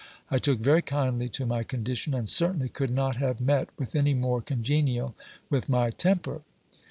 I took very kindly to my condition, and certainly could not have met with any more congenial with my temper.